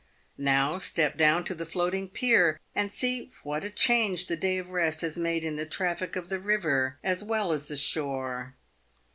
Now step down to the floating pier and see what a change the day of rest has made in the traffic of the river, as well as the shore.